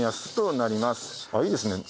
あっいいですね。